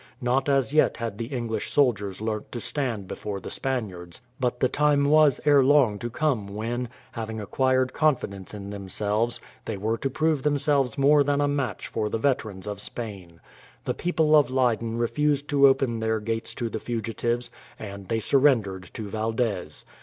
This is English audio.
Not as yet had the English soldiers learnt to stand before the Spaniards, but the time was ere long to come when, having acquired confidence in themselves, they were to prove themselves more than a match for the veterans of Spain. The people of Leyden refused to open their gates to the fugitives, and they surrendered to Valdez.